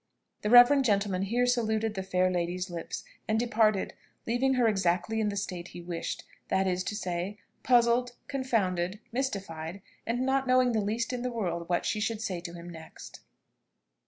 The reverend gentleman here saluted the fair lady's lips, and departed, leaving her exactly in the state he wished; that is to say, puzzled, confounded, mystified, and not knowing the least in the world what she should say to him next.